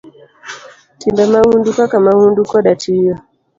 Timbe mahundu kaka mahundu koda tiyo